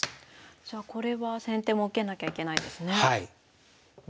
じゃあこれは先手も受けなきゃいけないですね。